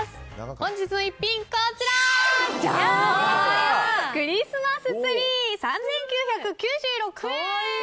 本日の逸品、こちら！クリスマス・ツリー、３９９６円。